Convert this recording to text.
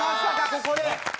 ここで！